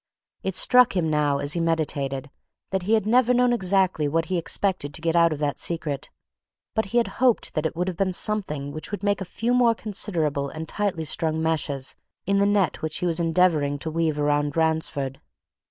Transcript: It struck him now, as he meditated, that he had never known exactly what he expected to get out of that secret but he had hoped that it would have been something which would make a few more considerable and tightly strung meshes in the net which he was endeavouring to weave around Ransford.